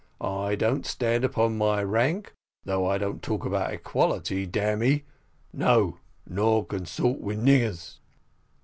I don't stand upon my rank, although I don't talk about equality, damme no, nor consort with niggers."